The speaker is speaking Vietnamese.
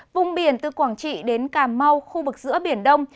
vùng biển từ quảng trị đến cà mau khu vực giữa biển đông